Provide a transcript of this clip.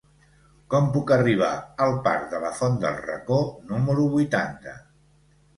Com puc arribar al parc de la Font del Racó número vuitanta?